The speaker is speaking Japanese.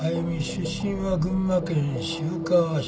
出身は群馬県渋川市。